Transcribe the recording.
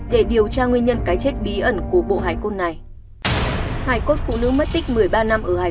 để điều tra nguyên nhân cái chết bí ẩn của bộ hải cốt này